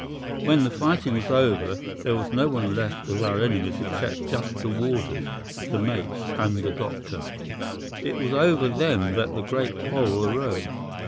When the fighting was over there was no one left of our enemies except just the warders, the mates, and the doctor. "'It was over them that the great quarrel arose.